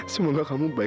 semoga hukuman ini bisa